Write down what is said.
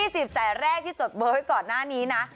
๒๐สายแรกที่จดเบอร์ให้ก่อนหน้านี้นะ